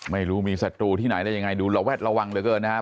ไม่รู้มีสตุที่ไหนได้ยังไงดูระวัตรระวังเหลือเกินนะฮะ